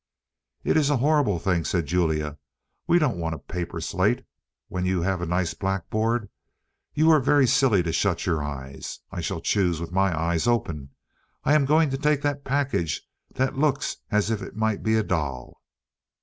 "It is a horrid thing," said Julia. "We don't want a paper slate when you have that nice blackboard. You were very silly to shut your eyes. I shall choose with my eyes open. I am going to take that package that looks as if it might be a doll."